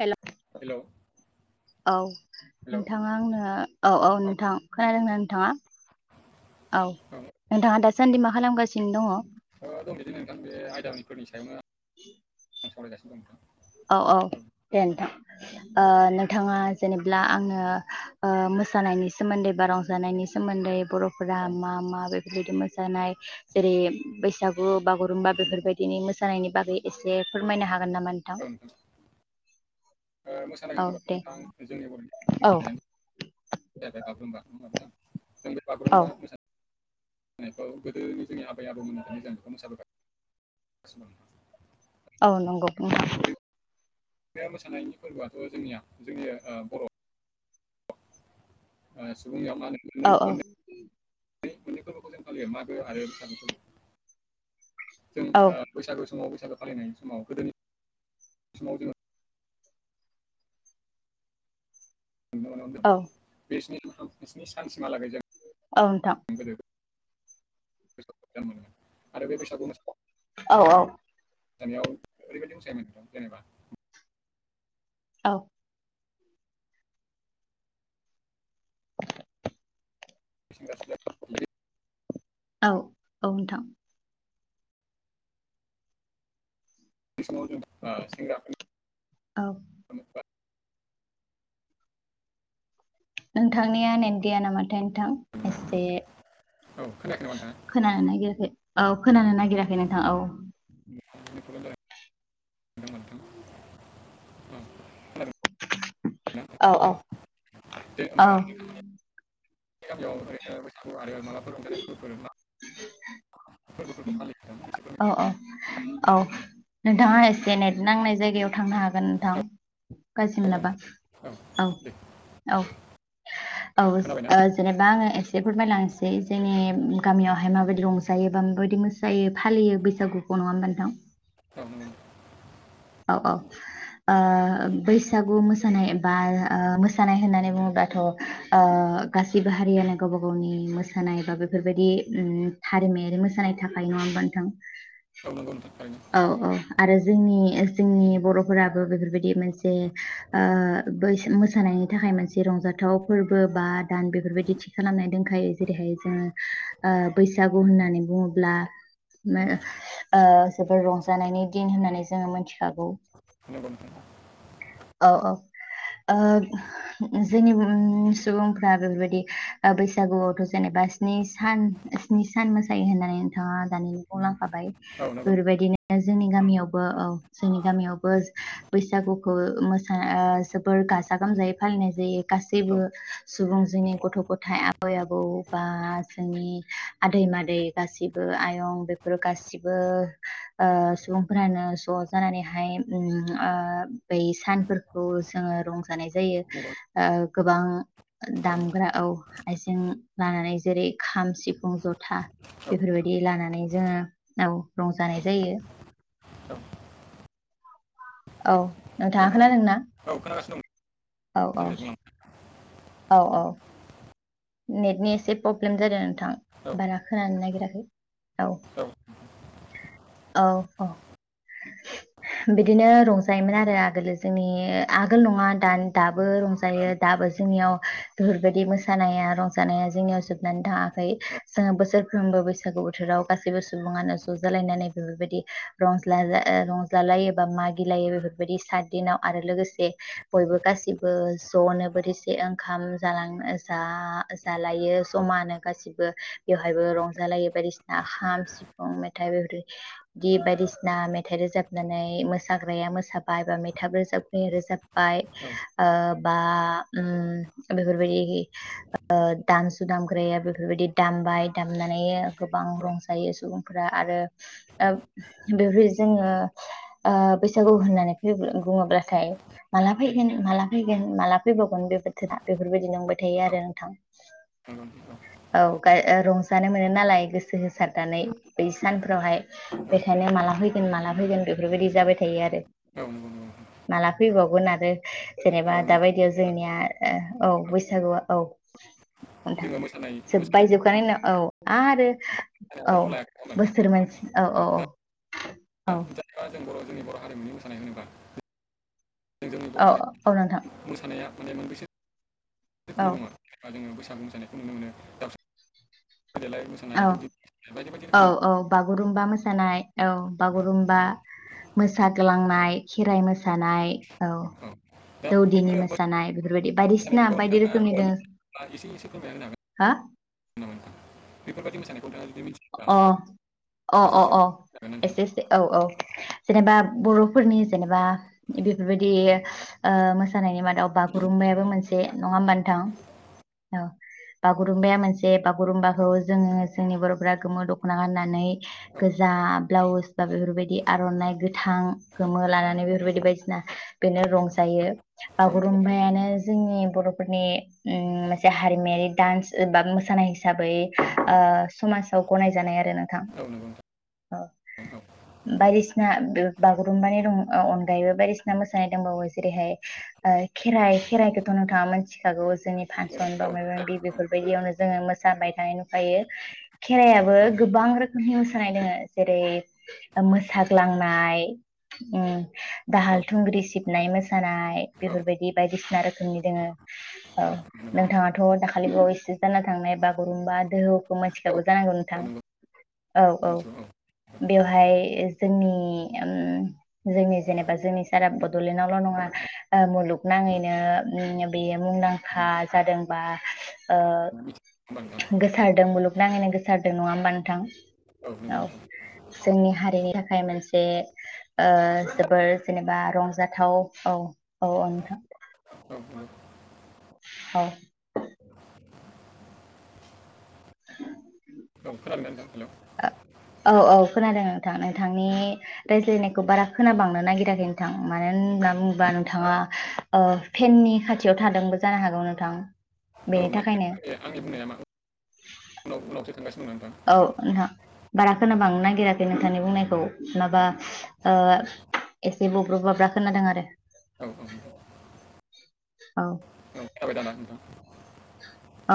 हेल' hello औ नोंथाङा आंनो औ औ नोंथां खोनादोंना नोंथाङा औ नोंथाङा दासान्दि मा खालामगासिनो दङ? ओ दं बिदिनो नोंथां बे आयदाफोरनि सायावनो आं सावरायगासिनो दं नोंथां औ औ दे औ नोंथां ओ नोंथाङा जेनेब्ला आङो ओ मोसानायनि सोमोन्दै बा रंजानायनि सोमोन्दै बरफोरा मा मा बेफोरबायदि मोसानाय जेरै बैसागु बागुरुम्बा नंगौ बेफोरबायदिनि मोसानायनि बागै एसे फोरमायनो हागोन नामा नोंथां? ओ मोसानाय औ होनोबाथ दे नोंथां जोंनि बरनि थनि औ थानायानो जेरै बागुरुम्बा जों बे औ बागुरुम्बा मोसानाय होनायखौ गोदोनि जोंनि आबै आबौमोननि थाखाय जों बेखौ मोसाबोगासिनो दं औ नंगौ बे मोसानायनि फोरबोयाथ जोंनिया जोंनिया बर ओ सुबुंनियाव मानो मोननै औ औ मोननै बे मोननै फोरबोखौ जों फालियो मागो आरो फिसानो फोरबो जों औ ओ बैसागो समाव बैसागो फालिनाय समाव गोदोनि समाव जोङो नोंदोंमोनावदों औ बे स्नि सानसिमहालागै जों औ नोंथां गोदो मोनो मोन आरो बे बैसागु मोसा औ औ गामियाव ओरैबायदि मोसायोमोन जेनेबा औ [unintelligible] औ औ नोंथां बे समाव जों ओ सेंग्राफोरनि औ [unintelligible] नोंथांनिया नेट गैया नामाथाय नोंथां एसे औ खोनायाखै नामा नोंथाङा खोनानो नागिराखै औ खोनानो नागिराखै नोंथां औ मोन मोनदों औ [unintelligible] औ औ दे होमबा औ नोंथां नोंसोरनि गामियाव ओरैनो बैसागु आरो माबाफोर रंजानाय फोरबोफोर एबा औ औ औ नोंथाङा एसे नेट नांनाय जायगायाव थांनो हागोन नोंथां गाज्रि औ मोनाबा औ दे औ औ खोनाबायना ओ जेनेबा आङो एसे ए फोरमायलांनोसै जोंनि गामियावहाय माबायदि रंजायो? गोबां बायदि मोसायो फालियो बैसागुखौ नङा होनबा नोंथां औ नंगौ औ औ ओ बैसागु मोसानाय एबा ओ मोसानाय होननानै बुङोब्ला दाथ ओ गासिबो हारियानो गावबा गावनि मोसानाय बा बेफोरबायदि उम हारिमायारि मोसानाय थाखायो नङा होनबा नोंथां औ नंगौ नोंथां थारैनो औ औ। आरो जोंनि जोंनि बरफोराबो बेफोरबायदि मोनसे ओ बैसो मोसानाय नि थाखाय मोनसे रंजाथाव फोरबो बा दान बेफोरबायदि थि खालामनाय दोनखायो जेरैहाय जोङो ओ बैसागु होननानै बुङोब्ला नंगौ मोन ओ जोबोर रंजानायनि दिन होननानै जोङो मिथिखागौ। नंगौ नोंथां औ औ। ओ जोंनि बुहुमनि सुबुंफोरा बेफोरबायदि ओ बैसागुआवथ जेनेबा स्नि सान स्नि सान मोसायो होननानै नोंथाङा दानिनो बुंलां खाबाय औ नंगौ नोंथां. बेबायदिनो जोंनि गामियावबो औ जोंनि गामियावबो बैसागुखौ मोसा ओ जोबोर गाजा गोमजायै फालिनाय जायो, औ गासैबो सुबुं जोंनि गथ'-गथाइ आबै-आबौ बा जोंनि आदै-मादै गासिबो आयं बेफोर गासि बो ओ सुबुंफोरानो ज' जानानैहाय उम ओ बै सानफोरखौ जोङो रंजानाय जायो नंगौ ओ गोबां थारैनो दामग्रा औ आइजें लानानै जेरै-खाम, सिफुं, जथा औ बेफोरबायदि लानानै जोङो औ रंजानाय जायो। औ औ औ नोंथाङा नंगौ नोंथां. खोनादोंना? औ खोनागासिनो दं औ नोंथां औ, दे बुंलां औ औ। नेटनि एसे प्रब्लेम जादों नोंथां बारा खोनानो नागिराखै। औ, औ औ। बिदिनो रंजायोमोन आरो आगोलो जोंनि आगोल नङा दा-दाबो औ रंजायो दाबो जोंनियाव बेफोरबायदि मोसानाया रंजानाया जोंनियाव जोबनानै थाङाखै जोङो बोसोरफ्रोमबो बैसागु बोथोराव गासैबो सुबुङानो ज' रंजालायनानै बेफोरबायदि रंज्लाजा ओ रंजालायो बा मागिलायो बेफोरबायदि सात दिनाव आरो लोगोसे बयबो गासिबो ज'नो बोथिसे ओंखाम जालांनो ओ जा- जालायो जमानो गासिबो बेवहायबो रंजालायो बायदिसिना खाम, सिफुं, मेथाइ गिद बायदिसिना मेथाइ रोजाबनानै मोसाग्राया मोसा बाय, बा मेथाब रोजाब नि रोजाबबाय, नंगौ ओ बा उम बेफोरबायदि दामसु दामग्राया बेफोरबायदि दामबाय दामनानै गोबां रंजायो, सुबुं फोरा आरो ओ बेफोर बायदि जोङो ओ बैसागु होननानै बुङोब्लाथाय माला फैगोन, माला फैगोन, माला फैबावगोन बे बोथोरा? बेफोरबायदि नंबाय थायो आरो। औ, नंगौ गाय ओ रं जानो मोनो नालाय गोसो होसारनानै बै सानफोरावहाय औ बेखायनो माला फै- गोन माला फैगोन बेफोरबायदि जाबाय थायो आरो। औ नंगौ नंगौ। माला फैबावगोन आरो नोंथां। औ जेनेबा नोंथां दााबायदियाव जोंनिया ओ औ बै सागुआ औ। जोङो मोसानाय जोबबाय मोसानाय जोबखानाय उनाव औ आरो औ, आयदाखौ लायाखै नङा होमबा बोसोर मोनसि, औ औ नोंथां औ, औ। दा जेनेबा जों बर' जोंनि बर' हारिमुनि मोसानाय होनोबा जोंनि बर' औ औ हारि औ नोंथां मोसानाया माने मोनबैसे औ रोखोमनि दङ' जेनबा जोङो बैसागु जानायखौ नुनो मोनो दाउसा औ, बायदि बायदि औ रोखोमनि दङ। औ बागुरुमबा मोसानाय औ बागुरुम्बा मोसाग्लांनाय, खेराइ मो- सानाय, औ दा दौदिनि बेफोरो मोसानाय बेफोरबायदि बायदिसिना मोसानायफोरखौ बायदि नोंथाङा ओ रोखोमनि दोङो। हा? नगौ नोंथां बेफोरबायदि मोसानाय अ अ एसे अ एसे अ फोरमायना एसे होनो एसे औ औ जेनेबा बर'फोरनि जेनेबा बेफोरबायदि ओ मोसानायनि मादाव बागुरुम्बायायाबो मोनसे नङा होमबा नोथां? औ। बागुरुम्बाया मोनसे बागुरुमबाखौ जोङो जोंनि बर'फोरा गोमो दख'ना गाननानै गोजा ब्लाउस बा बेफोरबायदि आर'नाइ गोथां गोमो लानानै बेफोरबायदि बायदिसिना बेनो रंजायो हागोन नोंथां बागुरुमबायानो जोंनि बर'फोरनि ओम मोनसे हारिमायारि डान्स बा मोसानाय हिसाबै ओ ओ समाज गनायजानाय आरो नोंथां औ नंगौ नंगौ ओ औ नंगौ नोंथां बायदिसिना बागुरुम्बानि दं ओ अनगायैबो बायदिसिना मोसानाय दंबावो जेरैहाय ओइ खेराइ खेराइखौथ' नोंथाङा मिथिखागौ जोंनि फांसन बा औ माबा माबि बेफोरबायदियावनो जों जाबाय थानाय नुखायो खेरायाबो औ गोबां रो मोसानाय दोङ जेरै ओ मोसाग्लांनाय उम। दाहाल औ थुंग्रि सिबनाय मोसानाय औ बेफोरबायदि बायदिसिना रोखोमनि दोङो। औ नोंथाङाथ' दाखालिबावैसो जाना थांनाय बागुरुम्बा दोहौ औ खौ जानांगौ औ नोंथां नंगौ औ औ मिथिगौ बेवहाय जोंनि ओम। जोंनि जेनेबा जोंनि सारा बड'लेण्डआवल' नङा मुलुगनाङैनो ओम बेयो मुंदांखा औ जादोंबा ओ मिथिगौ होमबा नोंथां गोसारदों मुलुग नाङैनो गोसारदों नङा होमबा नोंथां नंगौ औ नोंथां जोंनि हारिनि थाखाय मोनसे जे ओ जोबोर जेनेबा रंजाथाव औ औ नोंथां। अ। औ। औ खोनादोंना नोंथां हेल' औ औ खोनादों नोंथां नोंथांनि रायज्लायनायखौ बारा खोनाबांनो नागिराखै नोंथां मानो। होनना बुङोबा नोंथाङा फेननि खाथियाव थादोंबो जानो हागौ नोंथां औ बेनि थाखायनो माने आंनि बुंनाया मा उनावसो थांगासिनो दं नोंथां औ नोंथां बारा खोनाबांनो नागिराखै नोंथांनि बुंनायखौ औ माबा ओ एसे बब्रुब बाब्रा खोनादों आरो। औ औ औ औ जाबाय दाना नोंथां। औ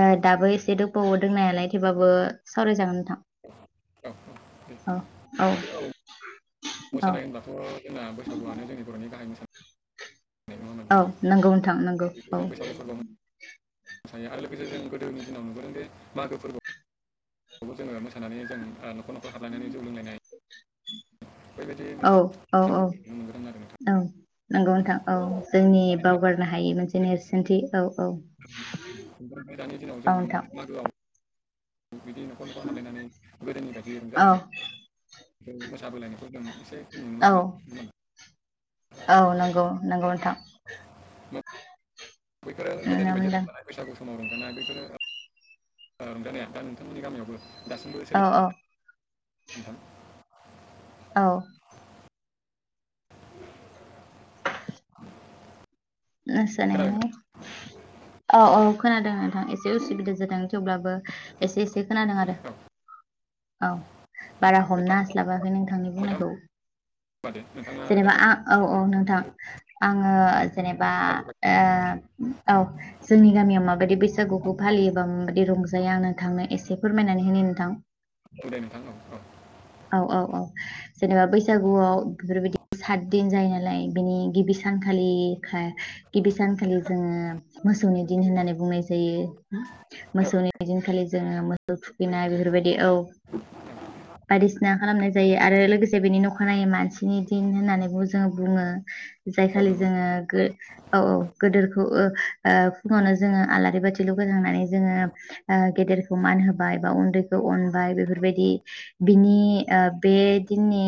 औ दाबो एसे दबावो दोंनायालाय थेवबाबो सावरायजागोन नोंथां औ औ औ मोसानाय होनबाथ' जोंना बैसागुआनो जोंनि बर'नि गाहाय मोसानाय नङा होमबा औ नोंथां नंगौ नोंथां नंगौ जों बेखौ औ जों बैसागु फोरबोआव मोसायो आरो लोगोसे जों गोदोनि दिनाव नुबोदों जे मागो फोरबो बेखौ जोङो मोसानानै जों औ न'खर न'खर हारलायनानै जौ लोंलायनाय बेबायदि औ औ मानेान्खौनो औ मोनग्रोन आरो नोंथां [unintelligible] औ नंगौ नोंथां औ जोंनि आरो बावगारनो हायि मोनसे नेरसोनथि औ औ खफ्राय दानि दिनाव औ जों मोन नोंथां मागोआव। बिदि न'खर न'खर हालायनानै गोदोनि बायदि औ रंजालायो मोसाबोलायनायखौ जों एसे नुनो औ मोनदों औ नंगौ नंगौ नोंथां होमबा? बैफोरो नुनो गोदोनि बायदि मोनदों रंजानाय बैसागु समाव रंजानाया बेफोरनो रंजानाया दा नोंथांमोननि गामियावबो दासिमबो औ औ सोलिबो औ। खोनादोंना मोसानायहाय औ औ खोनादों नोंथां एसे उसुबिदा जादों। थेवब्लाबो एसे एसे खोनादों आरो औ औ। बारा जेनेबा हमना हास्लाबाखै नोंथांनि नोंथां होमबा बुंनायखौ। दे नोंथाङा दा जेनेबा आं औ औ नोंथां आङो जेनेबा मोसानाय ओ औ जोंनि गामियाव माबायदि बैसागुखौ फालियोबा माबायदि रंजायो आंनो थांनो एसे फोरमायनानै होनि नोंथां। औ दे नोंथां औ औ। जेनेबा बैसागुआव बेफोरबायदि सात दिन जायो नालाय बिनि गिबि सानखालि गिबि सानखालि जोङो मोसौनि दिन होननानै बुंनाय जायो। मोसौनि दिनखालि जोङो मोसौ थुखैनाय बेफोरबाय दि औ बायदिसिना खालामनाय जायो आरो लोगोसे बेनि अखानायै मानसिनि दिन होननानैबो जोङो बुङो जाय औ खालि नंगौ जोङो औ औ गोदोरखौ ओ ओ फुङावनो जोङो आलारि बाथि [unintelligible] लांनानै जोङो ओ गेदेरखौ मान होबाय बा उन्दैखौ अनबाय बेफोरबायदि बिनि ओ बे दिननि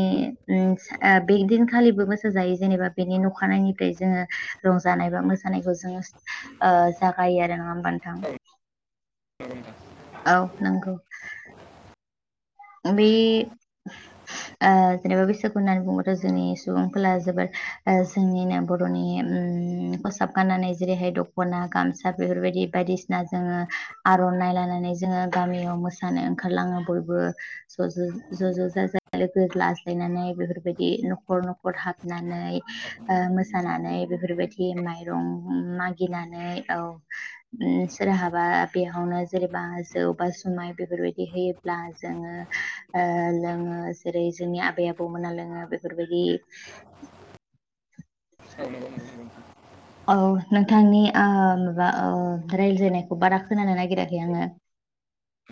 ओम ओ बेदिनखालिबो मोसा जायो जेनेबा बेनि नखानायैनिफ्राय जोङो रंजानाय बा मोसानायखौ जोङो ओ जागायो आरो नङा होनबा नोंथां। औ नंगौ नोंथां औ नंगौ। बे ओ जेनेबा बैसागु होननानै बुङोबाथ' जोंनि सुबुंफोरा जोबोद ओ जोंनिनो बर'नि खसाब गाननानै जेरैहाय दख'ना गामसा बेफोरबायदि बायदिसिना जोङो आर'नाइ लानानै जोङो गामियाव मोसा नानै ओंखारलाङो बयबो स' ज' ज' जाजाय लोगो लाज्लायनानै बेफोरबायदि न'खर न'खर हाबनानै। ओ मोसानानै बेफोरबायदि माइरं मागिनानै औ ओम सोरहाबा बेयावनो जेनेबा जौ बा जुमाय बेफोरबायदि होयोब्ला जोङो ओ लोङो जेरै जोंनि आबै आबौमोना लोङो बेफोरबायदि [inaudible] [inaudible] औ नोंथांनि ओ माबा ओ रायलायनायखौ बारा खोनानो नागिराखै आङो।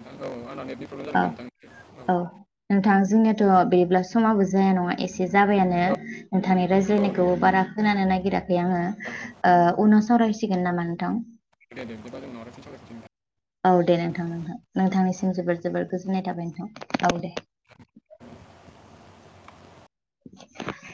नोंथां औ आंना नेटनि प्रब्लेम जादों औ दा नोंथां औ नोंथां जोंनिथ' बेदिब्ला समाबो जाया नङा एसे जाबायानो औ नोंथांनि औ नंगौ, रायज्लायनायखौबो बारा खोनानो नागिराखै आङो। औ औ ओ उनाव सावरायसिगोन नामा नोंथां। [unintelligible] औ दे नोंथां नोंथां नोंथांनिसिम जोबोर जोबोर गोजोननाय थाबाय नोंथां औ दे। [inaudible] [inaudible]